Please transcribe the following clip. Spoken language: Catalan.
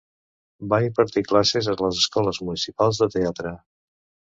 Va impartir classes a les Escoles Municipals de Teatre.